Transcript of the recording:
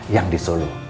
yang di solo